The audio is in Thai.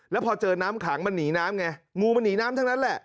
แล้วพอเจอน้ำขังมันหนีน้ำไงงูมันหนีน้ำทั้งนั้นแหละ